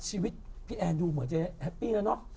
ชีวิตพี่แอนดูเหมือนจะแฮปปี้แล้วเนอะ